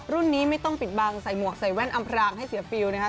รุ่นนี้ไม่ต้องปิดบังใส่หมวกใส่แว่นอำพรางให้เสียฟิลนะครับ